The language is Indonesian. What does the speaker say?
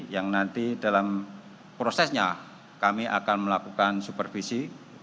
yang nanti dalam prosesnya kami akan melakukan supervisi